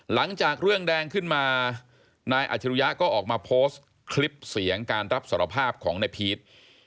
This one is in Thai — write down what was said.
หลังจากเรื่องแดงขึ้นมานายอัจฉริยะก็ออกมาโพสต์คลิปเสียงการรับสารภาพของนายพีช